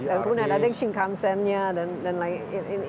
ada yang shinkansen nya dan lain sebagainya